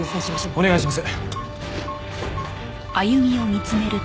お願いします！